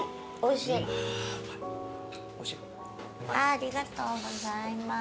ありがとうございます。